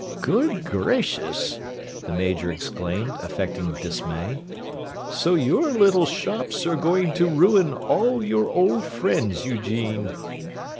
"Good gracious!" the Major exclaimed, affecting dismay. "So your little shops are going to ruin all your old friends, Eugene!"